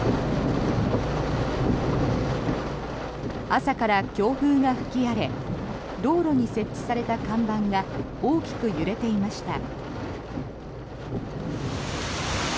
朝から強風が吹き荒れ道路に設置された看板が大きく揺れていました。